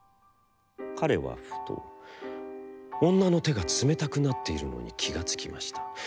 彼はふと女の手が冷めたくなっているのに気がつきました。